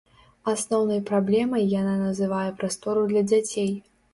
Асноўнай праблемай яна называе прастору для дзяцей.